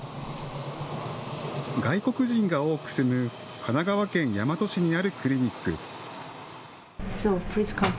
外国人が多く住む神奈川県大和市にあるクリニック。